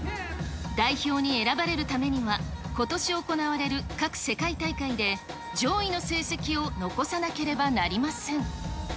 代表に選ばれるためには、ことし行われる各世界大会で上位の成績を残さなければなりません。